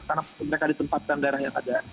karena mereka di tempat dan daerah yang ada